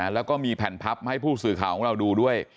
แล้วก็มีแผ่นพับมาให้ผู้สื่อข่าวของเราดูด้วย